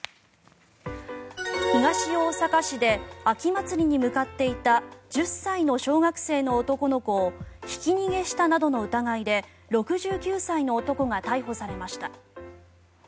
東大阪市で秋祭りに向かっていた１０歳の小学生の男の子をひき逃げしたなどの疑いで６９歳の男が逮捕されました。